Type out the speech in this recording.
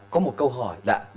có một câu hỏi